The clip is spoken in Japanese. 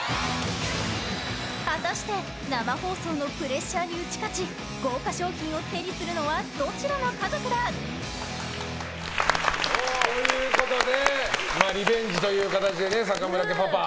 果たして、生放送のプレッシャーに打ち勝ち豪華賞品を手にするのはどちらの家族だ！？ということでリベンジという形で坂村家パパ。